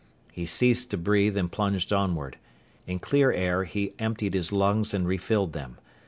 He ceased to breathe and plunged onward. In clear air he emptied his lungs and refilled them.